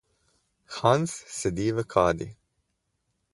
Hans sedi v kadi.